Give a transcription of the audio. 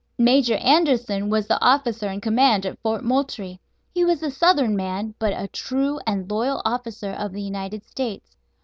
Major Anderson was the officer in command at Fort Moultrie. He was a southern man, but a true and loyal officer of the United States.